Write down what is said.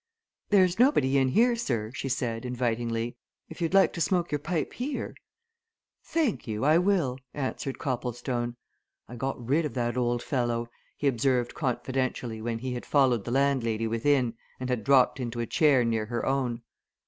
"There's nobody in here, sir," she said, invitingly; "if you'd like to smoke your pipe here " "Thank you I will," answered Copplestone. "I got rid of that old fellow," he observed confidentially when he had followed the landlady within, and had dropped into a chair near her own.